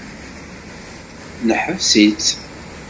Neḥbes-itt.